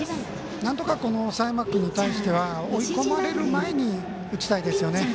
なんとか佐山君に対しては追い込まれる前に打ちたいですよね。